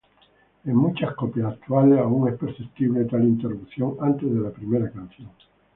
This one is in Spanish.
En muchas copias actuales aún es perceptible tal interrupción antes de la primera canción.